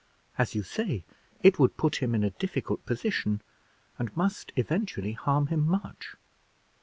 As you say, it would put him in a difficult position, and must eventually harm him much.